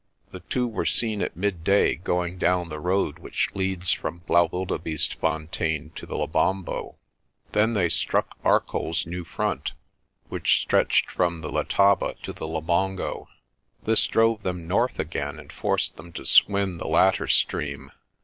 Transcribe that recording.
The two were seen at midday going down the road which leads from Blaauwildebeestefontein to the Lebombo. Then they struck ArcolPs new front, which stretched from the Letaba to the Labongo. This drove them north again and forced them to swim the latter stream.